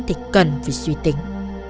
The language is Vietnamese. thì cần phải suy tính